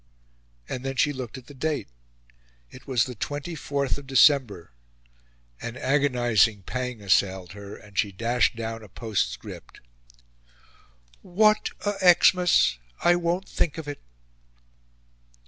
And then she looked at the date: it was the 24th of December. An agonising pang assailed her, and she dashed down a postcript "What a Xmas! I won't think of it."